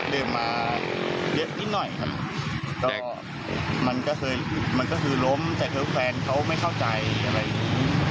ดื่มมาเยอะนิดหน่อยครับมันก็คือล้มแต่คือแฟนเขาไม่เข้าใจอะไรอย่างนี้